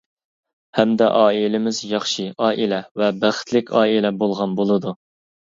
ھەمدە ئائىلىمىز ياخشى ئائىلە ۋە بەختلىك ئائىلە بولغان بولىدۇ.